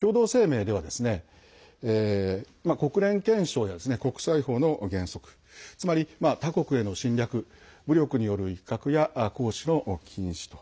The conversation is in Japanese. まず最初の点なんですけれども共同声明では国連憲章や国際法の原則つまり他国への侵略武力による威嚇や行使の禁止と。